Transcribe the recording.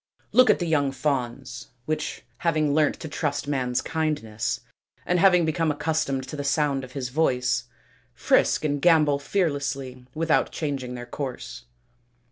Look at the young fawns which, having learnt to trust man's kindness, and having become accustomed to the sound of his voice, frisk and gambol fearlessly without changing their course.